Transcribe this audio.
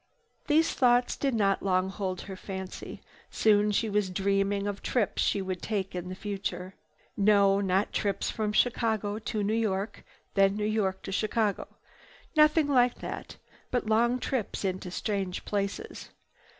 These thoughts did not long hold her fancy. Soon she was dreaming of trips she would make in the future. No, not trips from Chicago to New York, then New York to Chicago. Nothing like that, but long trips into strange places.